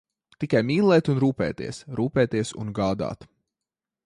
Tikai mīlēt un rūpēties, rūpēties un gādāt.